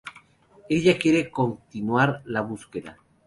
Ella quiere continuar la búsqueda.